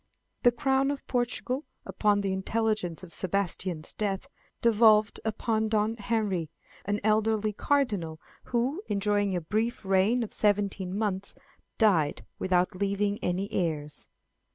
The Crown of Portugal, upon the intelligence of Sebastian's death, devolved upon Don Henry, an elderly Cardinal, who, enjoying a brief reign of seventeen months, died without leaving any heirs.